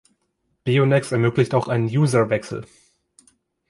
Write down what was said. Beonex ermöglicht auch einen User-Wechsel.